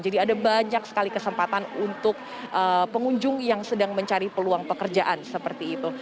jadi ada banyak sekali kesempatan untuk pengunjung yang sedang mencari peluang pekerjaan seperti itu